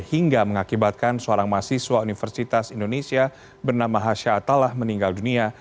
hingga mengakibatkan seorang mahasiswa universitas indonesia bernama hasha atalah meninggal dunia